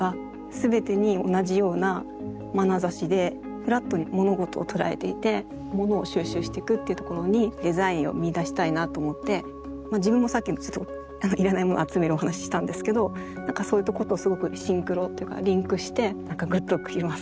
フラットに物事を捉えていてものを収集していくっていうところにデザインを見いだしたいなと思って自分もさっきいらないもの集めるお話したんですけど何かそういうとことすごくシンクロというかリンクして何かグッときます。